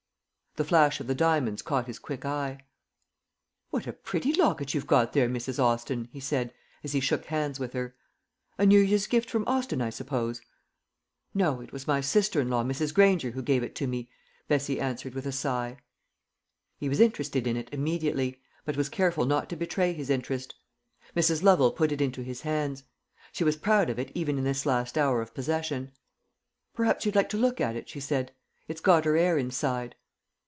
The flash of the diamonds caught his quick eye. "What a pretty locket you've got there, Mrs. Austin!" he said, as he shook hands with her. "A new year's gift from Austin, I suppose." "No, it was my sister in law, Mrs. Granger, who gave it me," Bessie answered, with a sigh. He was interested in it immediately, but was careful not to betray his interest. Mrs. Lovel put it into his hands. She was proud of it even in this last hour of possession. "Perhaps you'd like to look at it," she said. "It's got her 'air inside."